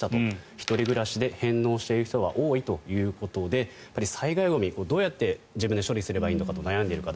１人暮らしで返納している人は多いということで災害ゴミ、どうやって自分で処理すればいいのか悩んでいる方